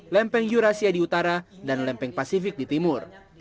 lempeng eurasia di utara dan lempeng pasifik di timur